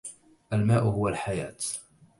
الماء هو الحياة.